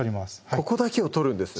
ここだけを取るんです？